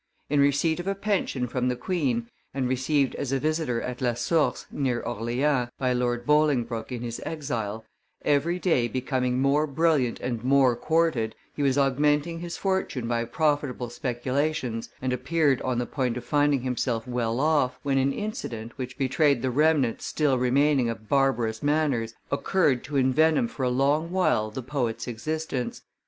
In receipt of a pension from the queen, and received as a visitor at La Source, near Orleans, by Lord Bolingbroke in his exile, every day becoming more brilliant and more courted, he was augmenting his fortune by profitable speculations, and appeared on the point of finding himself well off, when an incident, which betrayed the remnant still remaining of barbarous manners, occurred to envenom for a long while the poet's existence.